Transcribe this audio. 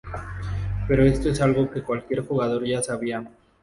Pero esto es algo que cualquier jugador ya sabía.